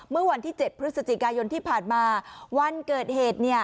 เมื่อวันที่๗พฤศจิกายนที่ผ่านมาวันเกิดเหตุ